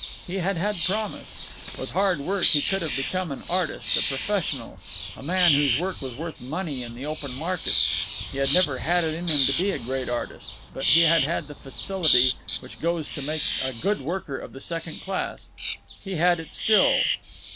He had had promise. With hard work he could have become an artist, a professional—a man whose work was worth money in the open market. He had never had it in him to be a great artist, but he had had the facility which goes to make a good worker of the second class. He had it still.